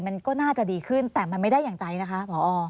มันก็น่าจะดีขึ้นแต่มันไม่ได้อย่างใจนะคะผอ